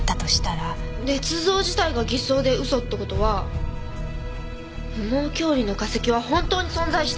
捏造自体が偽装で嘘って事は羽毛恐竜の化石は本当に存在した！？